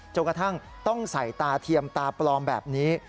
จนกระทั่งต้องใส่ตาเทียมตาปลอมแบบนี้